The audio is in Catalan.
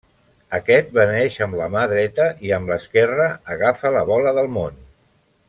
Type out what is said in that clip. Aquest beneeix amb la mà dreta i amb l'esquerra agafa la bola del món.